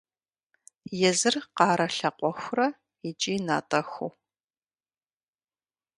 Езыр къарэ лъакъуэхурэ икӀи натӀэхуу.